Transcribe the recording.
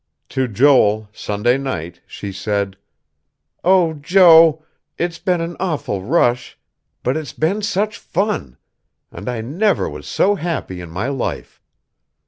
To Joel, Sunday night, she said: "Oh, Joe ... it's been an awful rush. But it's been such fun.... And I never was so happy in my life."